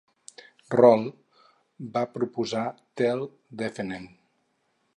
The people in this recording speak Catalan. Rohl va proposar Tell Defenneh.